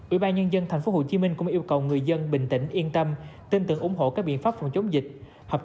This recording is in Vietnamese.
ủy ban nhân dân thành phố hồ chí minh cũng yêu cầu người dân bình tĩnh yên tâm tin tưởng ủng hộ các biện pháp phòng chống dịch